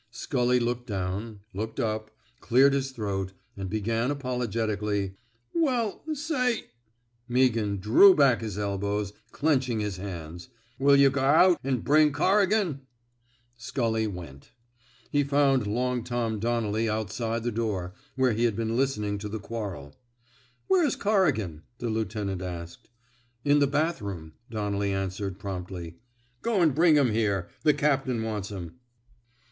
Scully looked down, looked up, cleared his throat, and began apologetically: Well, say —" Meaghan drew back his elbows, clenching his hands. Will yuh g' out an' bring Cor riganf " Scully went. He found Long Tom " Donnelly outside the door — where he Had been listening to the quarrel. Where's Corrigan? " the lieutenant asked. In the bathroom," Donnelly answered, promptly. Go 'n bring 'm here. The captain wants him."